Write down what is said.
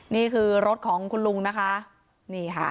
นี่คือรถของคุณลุงนะคะนี่ค่ะ